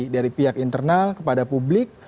dari pihak internal kepada publik